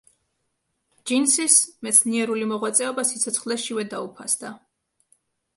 ჯინსის მეცნიერული მოღვაწეობა სიცოცხლეშივე დაუფასდა.